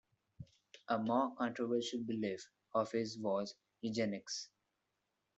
A more controversial belief of his was eugenics.